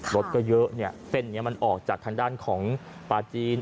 รถก็เยอะเนี่ยเส้นนี้มันออกจากทางด้านของปลาจีน